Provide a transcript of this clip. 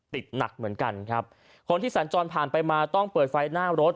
หนักเหมือนกันครับคนที่สัญจรผ่านไปมาต้องเปิดไฟหน้ารถ